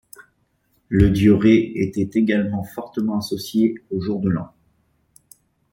Le dieu Rê était également fortement associé au jour de l'an.